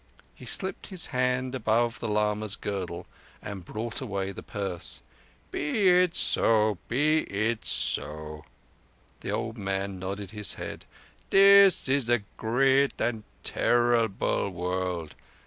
He slipped his hand above the lama's girdle and brought away the purse. "Be it so—be it so." The old man nodded his head. "This is a great and terrible world.